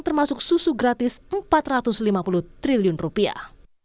termasuk susu gratis empat ratus lima puluh triliun rupiah